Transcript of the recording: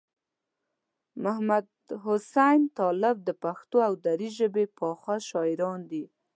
محمدحسین طالب د پښتو او دري ژبې پاخه شاعران دي.